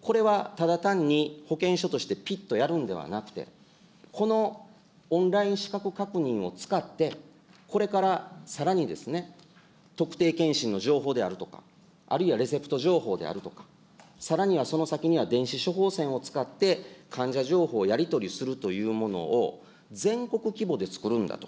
これは、ただ単に保険証としてぴっとやるんではなくて、このオンライン資格確認を使って、これからさらにですね、特定健診の情報であるとか、あるいはレセプト情報であるとか、さらにはその先には、電子処方箋を使って患者情報をやり取りするというものを、全国規模で作るんだと。